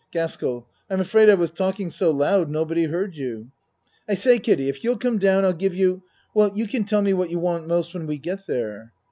GASKELL I'm afraid I was talking so loud no body heard you. I say, Kiddie, if you'll come down I'll give you well, you can tell me what you want most when we get there.